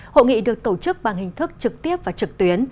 hội nghị được tổ chức bằng hình thức trực tiếp và trực tuyến